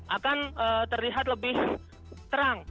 akan terlihat lebih terang